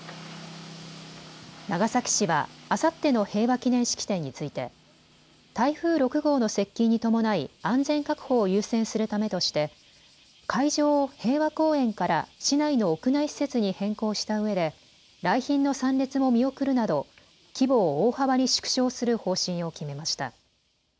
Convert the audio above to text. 長崎市はあさっての平和祈念式典について台風６号の接近に伴い安全確保を優先するためとして会場を平和公園から市内の屋内施設に変更したうえで来賓の参列も見送るなど規模を大幅に縮小する方針を決めました。